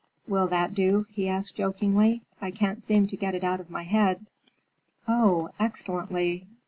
"Will that do?" he asked jokingly. "I can't seem to get it out of my head." "Oh, excellently!